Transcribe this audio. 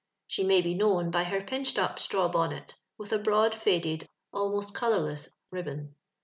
She may be known by her pinched up straw bonnet, with a broad, faded, almost colourless ribbon.